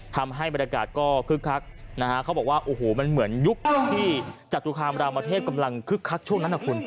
ทำให้บรรยากาศก็คึกคักนะฮะเขาบอกว่าโอ้โหมันเหมือนยุคที่จตุคามรามเทพกำลังคึกคักช่วงนั้นนะคุณ